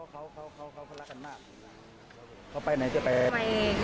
ข้าวเขาเขาเขาเขาแพพละคันนะเขาไปไหนจะไป